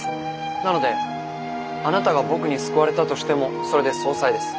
なのであなたが僕に救われたとしてもそれで相殺です。